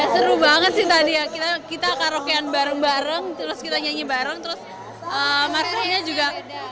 seru banget sih tadi ya kita karaokean bareng bareng terus kita nyanyi bareng terus marketnya juga